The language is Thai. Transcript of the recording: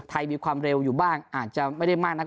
มีความเร็วอยู่บ้างอาจจะไม่ได้มากนัก